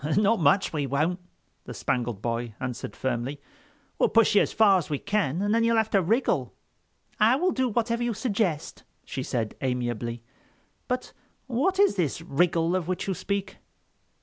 "Not much we won't," the Spangled Boy answered firmly. "We'll push you as far as we can, and then you'll have to wriggle." "I will do whatever you suggest," she said amiably; "but what is this wriggle of which you speak?"